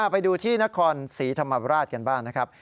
ไปดูที่นครศรีธรรมราชกันบ้างนะครับ